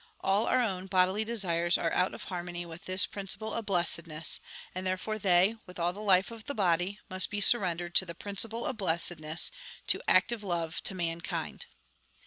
All our own bodily desires are out of harmony with this prin A SUMMARY i6i ciple of blessedness ; and therefore they, with all the life of the body, must be surrendered to the principle of blessedness, to active love to mankind.